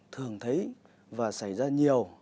thường thấy và xảy ra nhiều